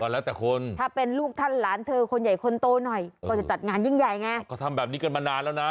แล้วแต่คนถ้าเป็นลูกท่านหลานเธอคนใหญ่คนโตหน่อยก็จะจัดงานยิ่งใหญ่ไงก็ทำแบบนี้กันมานานแล้วนะ